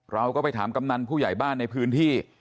เราก็ไปถามกำนันผู้ใหญ่บ้านในพื้นที่